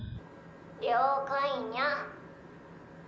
了解ニャ。